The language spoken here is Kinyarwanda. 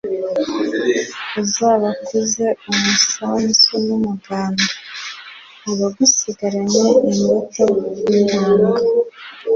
Uzabakuze umusanzu n'umuganda. Abagusigaranye imbuto n'intanga,